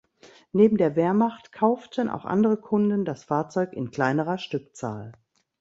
Neben der Wehrmacht kauften auch andere Kunden das Fahrzeug in kleinerer Stückzahl.